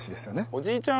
おじいちゃん